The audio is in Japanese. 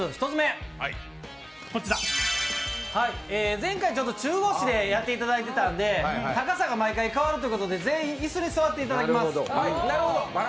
前回、中腰でやっていただいていたんで高さが毎回変わるということで全員、椅子に座ってもらいます。